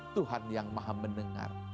tuhan yang maha mendengar